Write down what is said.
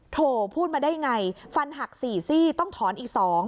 โถพูดมาได้ไงฟันหักสี่ซี่ต้องถอนอีกสอง